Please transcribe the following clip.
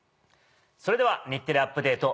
それでは『日テレアップＤａｔｅ！』